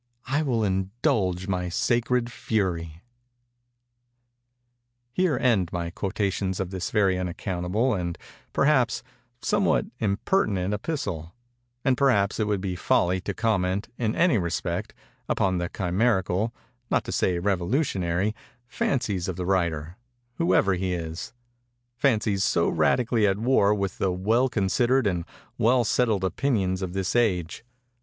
I will indulge my sacred fury._'" Here end my quotations from this very unaccountable and, perhaps, somewhat impertinent epistle; and perhaps it would be folly to comment, in any respect, upon the chimerical, not to say revolutionary, fancies of the writer—whoever he is—fancies so radically at war with the well considered and well settled opinions of this age.